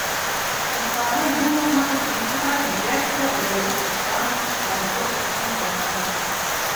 Ҡыҫҡаһы, юл япмаһы тиҙ туҙа, бигерәк тә оҙайлы ҡыштан, яҙғы осорҙан һуң.